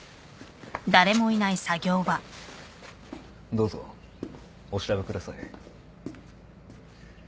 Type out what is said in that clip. どうぞお調べください。